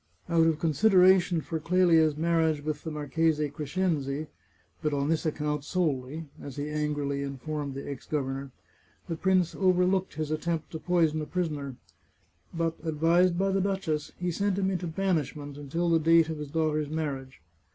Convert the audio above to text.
Out of consideration for Clelia's mar riage with the Marchese Crescenzi, but on this account solely, as he angrily informed the ex governor, the prince overlooked his attempt to poison a prisoner. But, advised by the duchess, he sent him into banishment until the date of his daughter's marriage.